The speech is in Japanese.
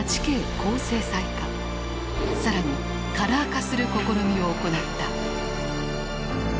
更にカラー化する試みを行った。